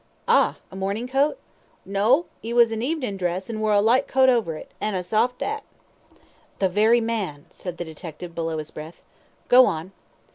"Ah! a morning coat?" "No! 'e was in evenin' dress, and wore a light coat over it, an' a soft 'at." "The very man," said the detective below his breath; "go on."